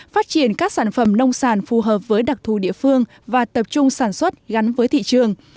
phát triển các sản phẩm nông sản phù hợp với đặc thù địa phương và tập trung sản xuất gắn với thị trường